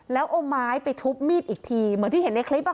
แล้วเอาไม้ไปทุบมีดอีกทีเหมือนที่เห็นในคลิป